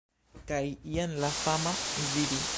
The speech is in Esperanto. Kaj jen la fama Zibi!